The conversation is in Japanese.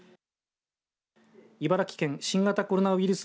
茨城県新型コロナウイルス